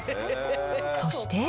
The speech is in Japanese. そして。